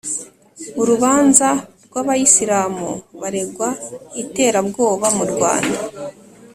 Urubanza rw'abayisiramu baregwa iterabwoba mu Rwanda.